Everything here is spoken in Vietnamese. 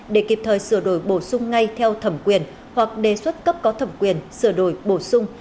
để kịp thời sửa đổi bổ sung ngay theo thẩm quyền hoặc đề xuất cấp có thẩm quyền sửa đổi bổ sung